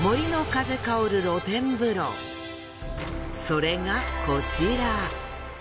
それがこちら。